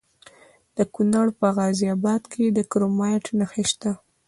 د کونړ په غازي اباد کې د کرومایټ نښې شته.